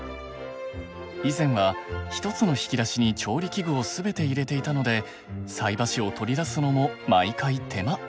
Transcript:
以前は１つの引き出しに調理器具を全て入れていたので菜箸を取り出すのも毎回手間。